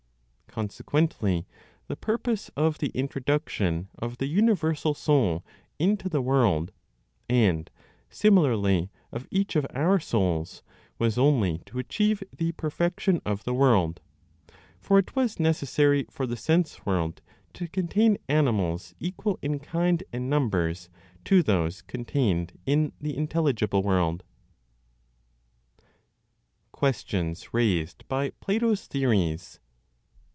Consequently, the purpose of the introduction of the universal Soul into the world, and similarly of each of our souls was only to achieve the perfection of the world; for it was necessary for the sense world to contain animals equal in kind and numbers to those contained in the intelligible world. QUESTIONS RAISED BY PLATO'S THEORIES.